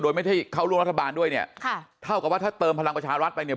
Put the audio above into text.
โดยไม่ได้เข้าร่วมรัฐบาลด้วยเนี่ยค่ะเท่ากับว่าถ้าเติมพลังประชารัฐไปเนี่ย